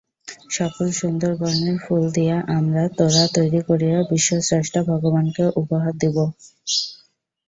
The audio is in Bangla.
সকল সুন্দর বর্ণের ফুল দিয়া আমরা তোড়া তৈরী করিয়া বিশ্বস্রষ্টা ভগবানকে উপহার দিব।